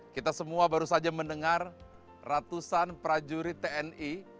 kita semua baru saja mendengar ratusan prajurit tni